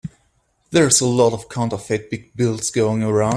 There's a lot of counterfeit big bills going around.